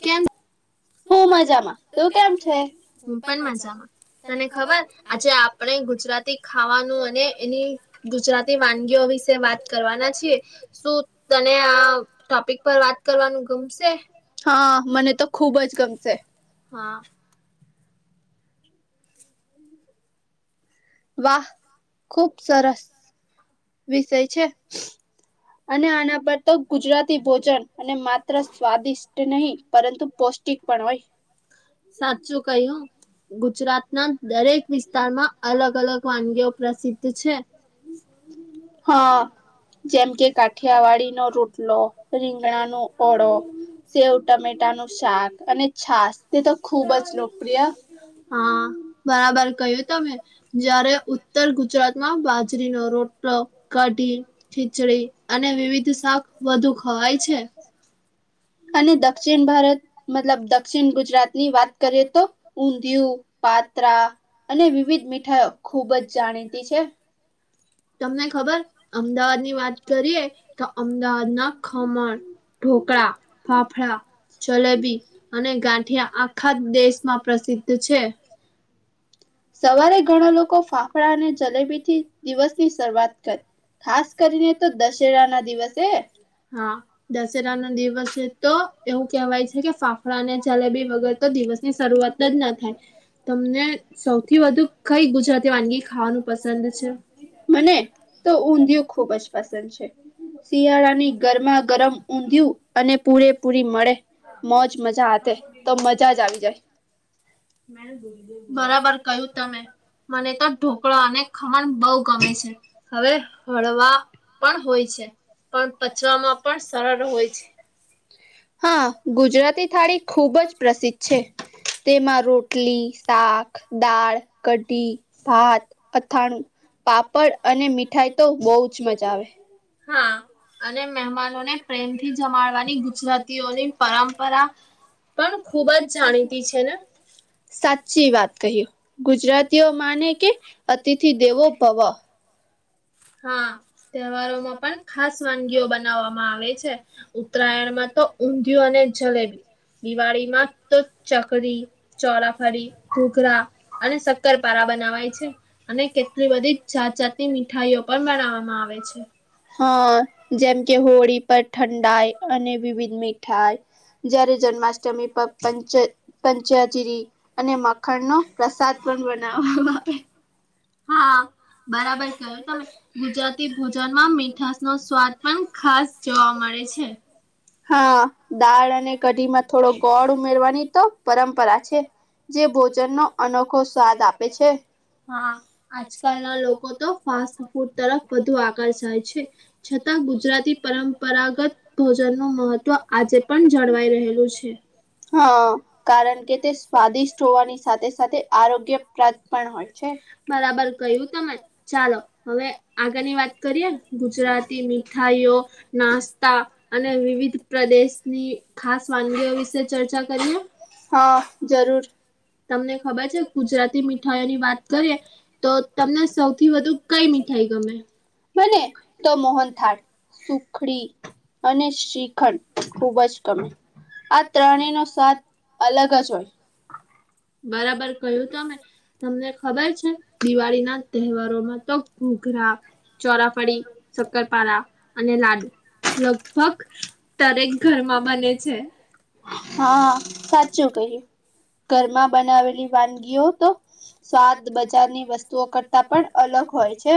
કેમ છે? હું મજામાં. તું કેમ છે? હું પણ મજામાં. તને ખબર આજે આપણે ગુજરાતી ખાવાનું અને એની ગુજરાત તી વાનગીઓ વિશે વાત કરવાના છીએ. શું તને આ ટોપિક પર વાત કરવાનું ગમશે? હા. મને તો ખુબ જ ગમશે, હા. [inaudible] વાહ! ખુબ સરસ વિષય છે. અને આના પર તો ગુજરાતી ભોજન અને માત્ર સ્વાદિષ્ટ નહીં પરંતુ પૌષ્ટિક પણ હોય. સાચું કહ્યું. ગુજરાત ના દરેક વિસ્તારમાં અલગ અલગ વાનગીઓ પ્રસિદ્ધ છે. હા. જેમ કે કાઠ ઠિયાવાડી નો રોટલો, રીંગણા નો ઓળો સેવ ટમેટા નું શાક, અને છાશ, તે તો ખુબ જ લોકપ્રિય હા, બરાબર કહ્યુ તમે. જયારે ઉત્તર ગુજરાતમાં બાજરીનો રોટલો, કઢી, ખીચડી અને વિવિધ શાક વધુ ખવાય છે. અને દક્ષિણ ભારત મતલબ દક્ષિણ ગુજરાત ની વાત કરીએ તો, ઊંધિયું પાત્રા અને વિવિધ મીઠાઈઓ ખુબ જ જાણીતી છે. તમને ખબર? અમદાવાદ ની વાત કરીએ, તો અમદાવાદ ના ખમણ ઢોકળા, ફાફડાં જલેબી અને ગાંઠિયા આખા દેશમાં પ્રસિદ્ધ છે. [inaudible] સવારે ઘણા લોકો ફાફડા અને જલેબી થી દિવસ થી શરૂઆત કરે. ખાસ કરીને તો દશેરા ના દિવસે. હા. દશેરા ના દિવસે તો એવું કહેવાય છે, કે ફાફડા ને જલેબી વગર તો દિવસ ની શરૂઆત જ ના થાય. તમને સૌથી વધુ કંઈ ગુજરાતી વાનગી ખાવાનું પસંદ છે? મને તો ઊંધિયું ખુબ જ પસંદ છે. શિયાળા ની ગરમા ગરમ ઊંધિયું અને પૂરે પૂરી મળે. મોજ મજા હાતે, તો મજા જ આવી જાય. બરાબર કહ્યું તમે. મને તો ઢોકળા અને ખમણ બહુ ગમે છે. હવે હળવા પણ હોય છે. પણ પચવામાં પણ સરળ હોય છે. હા. ગુજરાતી થાળી ખુબ જ પ્રસિદ્ધ છે. તેમાં રોટલી, શાક, દાળ, કઢી, ભાત, અથાણું પાપડ અને મીઠાઈ તો બહુ જ મજા આવે. હા અને મહેમાનોને પ્રેમથી જમાડવાની ગુજરાતીઓની પરંપરા પણ ખુબજ જાણીતી છે. સાચી વાત કહ્યું ગુજરાતીઓ માને કે અતિથિ દેવો ભવ. હા તહેવારોમાં પણ ખાસ વાનગીઓ બનાવવામાં આવે છે. ઉત્તરાયણ માં તો ઊંધિયું અને જલેબી. દીવાડીમાં તો ચક ચકરી, ચોરાફરી ઘૂઘરા અને શક્કરપારા બનાવાય છે અને કેટલી બધી જાત જાતી મીઠાઈઓ પણ બનાવામાં આવે છે. હા જેમ કે હોળી પર ઠંડાય અને વિવિધ મીઠાઈ જયારે જન્માષ્ટમી પંચ પંચજરી અને માખ ખડ નો પ્રસાદ પણ બનાવવામાં આવે. હા, બરાબર કયું તમે ગુજરાતી ભોજનમાં મીઠાસ નો સ્વાદ ખાસ જોવા મળે છે. હા દાળ અને કઢી માં થોડો ગોળ ઉમેરવાની તો પરંપરા છે. જે ભોજન નો અનોખો સ્વાદ આપે છે. આજકાલના લોકો તો ફાસ્ટ ફૂડ તરફ વધુ આકર્ષાય છે છતાં ગુજરાતી પરંમ પરાગત ભોજન નું મહત્વ આજે પણ જળવાઈ રહેલું છે. હા, કારણ કે તે સ્વાદિષ્ટ હોવાની સાથે સાથે આરોગ્ય પ્રાપ્ત પણ હોય છે. બરાબર કયું તમે ચાલો હવે આગળની વાત કરીએ ગુજરાતી મીઠાઈઓ નાસ્તા અને વિવિધ પ્રદેશની ખાસ વાનગીઓ વિશે ચર્ચા કરીએ? હા જરૂર, તમને ખબર છે ગુજરાતી મીઠાઈઓની વાત કરીએ તો તમને સૌથી વધુ કઈ મીઠાઈ ગમે, બને તો મોહન થાળ. સુખડી અને શ્રીખંડ ખુબ જ ગમે. આ ત્રણેય નો સ્વાદ અલગ જ હોય. બરાબર કહ્યું તમે, તમને ખબર છ. દિવાળીના તહેવારોમાં તો ઘૂઘરા, ચોરાફડી, શક્કરપારા અને લાડુ. લગભગ દરેક ઘરમાં બને છે. હ સાચું કહ્યું ઘરમાં બ બનાવેલી વાનગીઓ તો સ્વાદ બજારની વસ્તુઓ કરતા પણ અલગ હોય છે.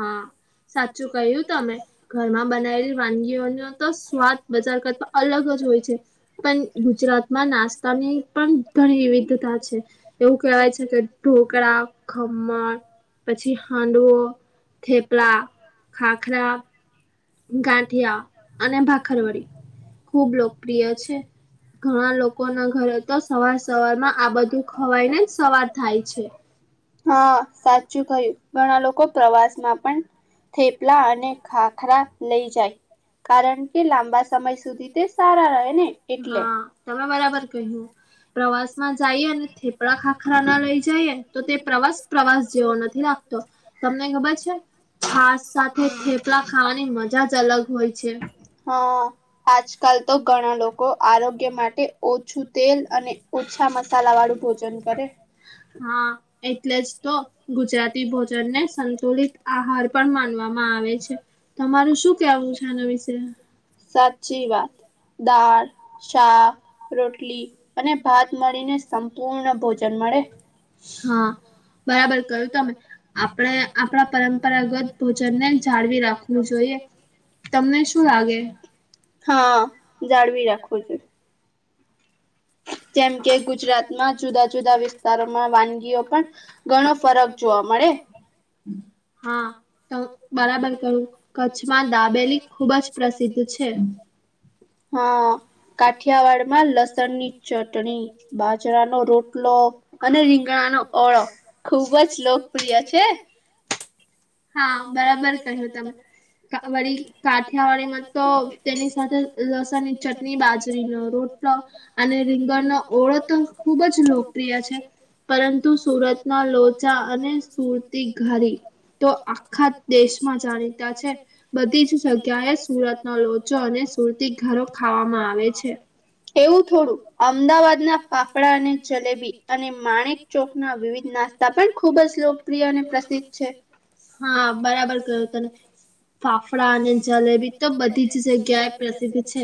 હા. સાચું કહ્યું તમે ઘરમાં બનાયલી વાનગીઓનો તો સ્વાદ બજાર કરતા અલગ જ હોય છે. પણ ગુજરાતમાં નાસ્તાની પણ ઘણી વિવિધતા છે એવું કહેવાય છે કે ઢોકળા, ખમણ પછી હાંડવો, થેપલા, ખાખરા ગાંઠીયા અને ભાખરવડી ખૂબ લોકપ્રિય છે. ઘણા લોકોના ઘરે તો સવાર સવારમાં આ બધું ખવાય ને જ સવાર થાય છે. હા સાચું કયું ઘણા લોકો પ્રવાસમાં પણ થેપલા અને ખાખરા લઈ જાય. કારણ કે લાંબા સમય સુધી તે સારા રહેને એટલે હા તમે બરાબર કહ્યું. પ્રવાસમાં જાયેને અને થેપલા ખાખરા ન લઈ જઈએ ને તો તે પ્રવાસ પ્રવાસ જેવો નથી લાગતો. તમને ખબર છે છાસ સાથે થેપલા ખાવાની મજા જ અલગ હોય છે. હ આજકાલ તો ઘણા લોકો આરોગ્ય માટે ઓછું તેલ અને. ઓછા મસાલા વાળું ભોજન કરે. હા એટલે જ તો ગુજરાતી ભોજનને સંતુલિત આહાર. પણ માનવામાં આવે છે તમારું શું કેવું છે આના વિશે. સાચી વાત. દાળ શાક રોટલી અને ભાત મળીને સં. પૂર્ણ ભોજન મળે હા. બરાબર કહ્યું તમે આપણે આપણા પરંપરાગત ભોજનને જાળવી રાખવું જોઈએ. તમને શું લાગે હા જાળવી રાખવું જોઈએ. જેમ કે ગુજરાતમાં જુદા જુદા વિસ્તારોમાં વાનગીઓ પણ ઘણો ફરક. જોવા મળે. હમ. હા તો બરાબર કહ્યું કચ્છમાં દાબેલી ખુબ જ પ્રસિદ્ધ છે. [inaudible] હ કાઠિયાવાડમાં લસણની. ચટણી બાજરાનો રોટલો અને રીંગણાનો ઓળો. ખુબ જ લોકપ્રિય છે. હા બરાબર કહ્યું તમે. વળી કાઠિયાવાડીમાં તો તેની સાથે લ લસણની ચટણી બાજરીનો રોટ. ટલો અને રીંગણનો ઓળો તો ખુબ જ લોકપ્રિય છે પરંતુ સુરત. ના લોચા અને સુરતી ઘારી. તો આખા દેશમાં જાણીતા છે બધી જ જગ્યાએ સુરત ના લોચો અને. સુરતી ઘારો ખાવામાં આવે છે. એવું થોડું અમદાવાદના ફાફડા અને જલેબી અને માણેક. ચોકના વિવિધ નાસ્તા પણ ખુબ જ લોકપ્રિય અને પ્રસિદ્ધ છે. હા બરાબર કહ્યું તમે. ફાફડા અને જલેબી તો બધી જ જગ્યાએ પ્રસિદ્ધ છે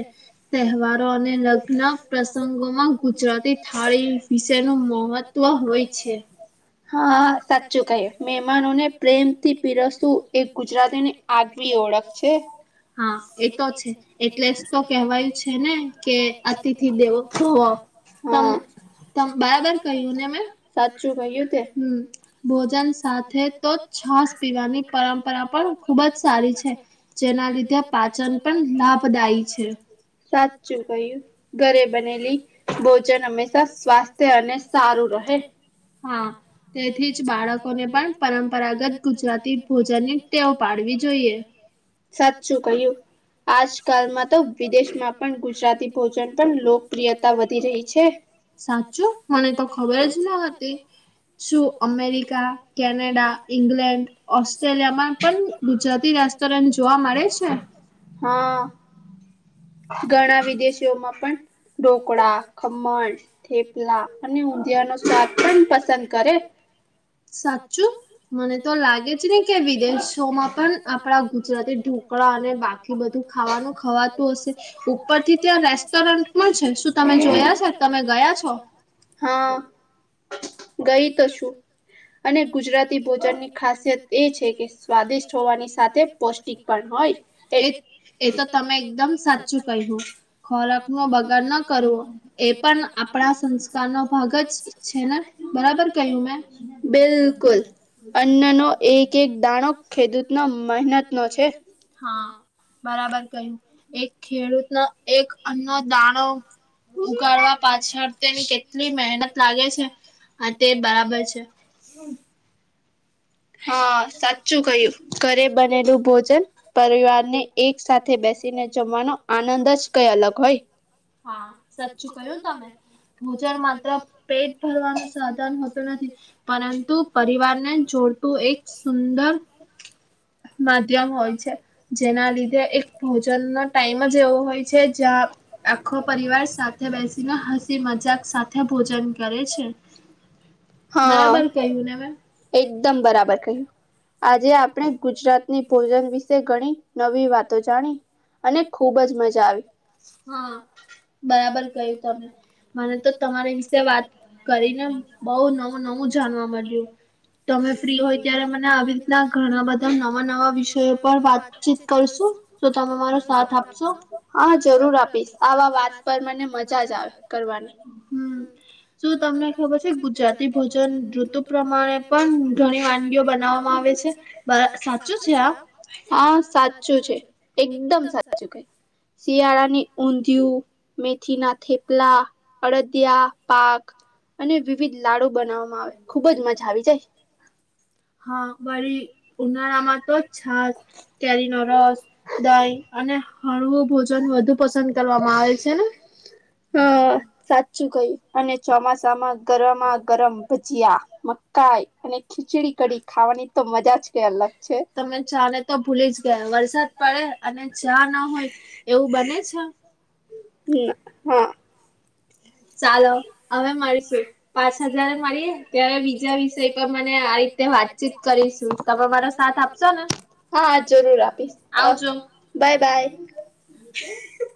તહેવારો અને લગ્ન. પ્રસંગોમાં ગુજરાતી થાળી વિશેનો મહત્વ હોય છે. હા સાચું કહ્યું મહેમાનોને પ્રેમથી. થી પીરસવુ એક ગુજરાતીની આગવી ઓળખ છે. હા એ તો છે એટલે જ તો કેહેવાયું છે ને કે અતિથી દેવો ભવ. હમ તમ. તમ બરાબર કહ્યું ને મેં સાચું કહ્યું તે હ ભોજન સાથે તો જ તો. છાશ પી. વાની પરંપરા પણ ખુબ જ સારી છે જેના લીધે પાચન પણ લાભદાયી છે. છે. સાચું કહ્યું ઘરે બનેલી ભોજન હંમેશા સ્વાસ્થ. અને સારું રહે હા તેથી જ બાળકોને પણ પરંપરાગત ગુ. ગુજરાતી ભોજનની ટેવ પાડવી જોઈએ. સાચું કહ્યું. આજ કાલમાં તો વિદેશમાં પણ ગુજરાતી ભોજન પણ લોકપ્રિયતા વધી રહી છે. સાચું મને તો ખબર જ ન હતી. શું અમેરિકા, કેનેડા, ઇંગ્લેન્ડ, ઓસ્ટ્રેલિયામાં પણ ગુજરાતી રેસ્ટોરન્ટ જોવા મળે છે? હા. ઘણા વિદેશીઓમાં પણ ઢોકળા, ખમણ, થેપલા અને ઊંધિયાનો સ્વાદ પણ પસંદ કરે. સાચું? મને તો લાગે જ નઈ કે વિદેશોમાં પણ આપણા ગુજરાતી ઢોકળા અને બાક કી બધું ખાવાનું ખવાતું હશે ઉપરથી ત્યાં રેસ્ટોરન્ટ પણ છે? શું તમે જોયા છો તમે ગયા છો? હા. ગઈ તો છું અને ગુજરાતી તી ભોજનની ખાસિયત એ છે કે સ્વાદિષ્ટ હોવાની સાથે પૌષ્ટિક પણ હોય એ એ તો તમે એકદમ સાચું કહ્યું ખોરાકનો બગાડ ન કરવો. એ પણ આપણા સંસ્કારનો ભાગ જ છે ને બરાબર કહ્યું મેં? બિલકુલ. અન્નનો એક એક દાણો ખેડૂતનો મહેનતનો છે. હા. બરાબર કહ્યું. એક ખેડૂતનો એક અન્ન દાણો ઉગાડવા પાછળ તેની કેટલી મહેનત લાગે છે આ તે બરાબર છે. હા સાચું કહ્યું, ઘરે બનેલું ભોજન પરિવારને એક સાથે બેસ સીને જમવાનો આનંદ જ કઈ અલગ હોય. હા સાચું કહ્યું તમે. ભોજન માત્ર પેટ ભરવાનું સાધન હોતું નથી પરંતુ પરિવારને જોડ તો એક સુંદર માધ્યમ હોય છે જેના લીધે એક ભોજનનો ટાઈમ જ એવો હોય છે જ્યાં આખો પરિવાર સાથે બેસીને હસી મજાક સાથે ભોજન કરે છે. [unintelligible] એકદમ બરાબર કહ્યું. આજે આપણે ગુજરાતની ભોજન વિશે ઘણી નવી વાતો જાણી અને ખુબ જ મજા આવી. હા બરાબર કહ્યું તમે. મને તો તમારી વિશે વાત કરીને બહુ નવું નવું જાણવા મળ્યું. તમે ફ્રી હોય ત્યારે મને આવી રીતના ઘણાં બધા નવા નવા વિષયો પર વાતચીત કરશો? તો તમે મારો સાથ આપશો? હા, જરૂર આપીશ. આવા વાત પર મને મજા જ આવે કરવાની. હમ્મ, શું તમને ખબર છે ગુજરાતી ભોજન ઋતુ પ્રમાણે પણ ઘણી વાનગીઓ બનાવવામાં આવે છે સાચું છે આ? હા, સાચું છે. એકદમ સાચું કહ્યું. શિયાળાની ઊંધિયું, મેથીના થેપલા, અડદિયા પાક અને વિવિધ લાડું બનાવવામાં આવે ખુબજ મજા આવી જાય. હા વળી ઉનાળામાં તો છાસ, કેરીનો રસ, દહી અને હળવું ભોજન વધુ પસંદ કરવામાં આવે છે ને? હમ્મ, સાચું કહ્યું અને ચોમાસામાં ગરમા ગરમ ભજીયા, મ કાય. અને ખીચડી કઢી ખાવાની તો મજા જ કય અલગ છે. તમે ચા ને તો ભૂલી જ ગયા વરસાદ પડે અને ચા ના હોય એવું બને છે? ન હા. ચાલો હવે મળીશું, પાછા જ્યારે મળીએ ત્યારે બીજા વિષય પર મને આ રીતે વાતચીત કરીશું તમે મારો સાથ આપશો ને? હા, જરૂર આપીશ. આવજો. Bye bye [inaudible] [unintelligible]